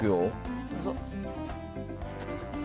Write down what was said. どうぞ。